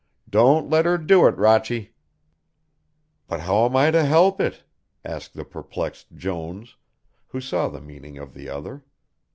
Don't let her do it, Rochy." "But how am I to help it?" asked the perplexed Jones, who saw the meaning of the other.